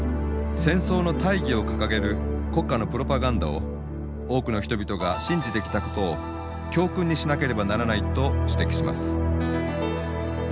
戦争の大義を掲げる国家のプロパガンダを多くの人々が信じてきたことを教訓にしなければならないと指摘します。